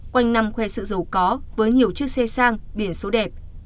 quanh năm khoe sự giàu có với nhiều chiếc xe sang biển số đẹp